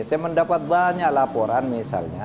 saya mendapat banyak laporan misalnya